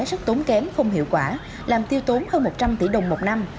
rất tốn kém không hiệu quả làm tiêu tốn hơn một trăm linh tỷ đồng một năm